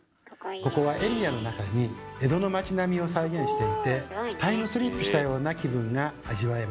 ここはエリアの中に江戸の町並みを再現していてタイムスリップしたような気分が味わえます。